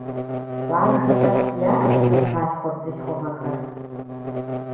Къуажэ къэс яӏэт фызгъалъхуэ бзылъхугъэхэр.